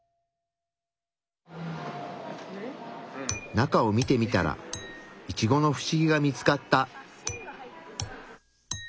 中を見てみたらイチゴのフシギが見つかった。